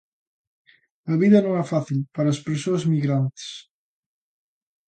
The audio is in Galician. A vida non é fácil para as persoas migrantes.